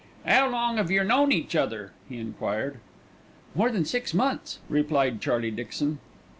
"'Ow long 'ave yer known each other?" he enquired. "More than six months," replied Charlie Dixon.